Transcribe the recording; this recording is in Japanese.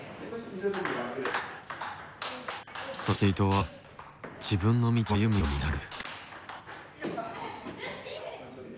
そして伊藤は自分の道を歩むようになる。